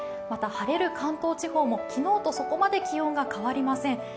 また晴れる関東地方も昨日とそこまで気温が変わりません。